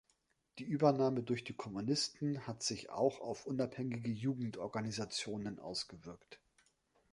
Die Übernahme durch die Kommunisten hat sich auch auf unabhängige Jugendorganisationen ausgewirkt.